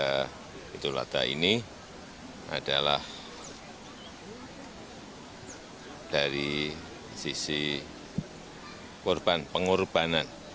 hidul adha ini adalah dari sisi pengorbanan